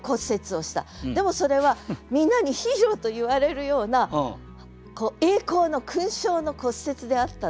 でもそれはみんなにヒーローと言われるような栄光の勲章の骨折であったと。